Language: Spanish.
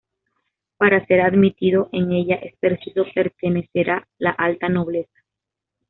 Para ser admitido en ella es preciso pertenecerá la alta nobleza.